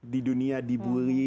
di dunia dibully